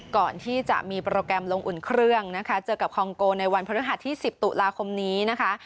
ก่อนที่จะมีโปรแกรมลงอุ่นเครื่องนะคะเจอกับคองโกในวันพฤหัสที่๑๐ตุลาคมนี้นะคะ